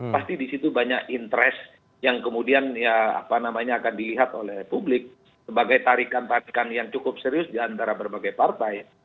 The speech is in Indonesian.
pasti di situ banyak interest yang kemudian akan dilihat oleh publik sebagai tarikan tarikan yang cukup serius diantara berbagai partai